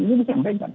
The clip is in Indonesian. ini bisa dikata